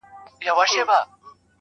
په شاعرۍ کي رياضت غواړمه.